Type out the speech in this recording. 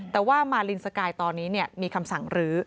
แต่ว่ามาลินสกายตอนนี้มีคำสั่งรื้อ